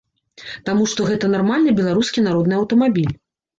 Таму што гэта нармальны беларускі народны аўтамабіль.